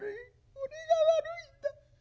俺が悪いんだ。